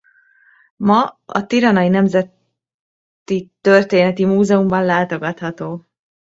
Ma a tiranai Nemzeti Történeti Múzeumban látogatható.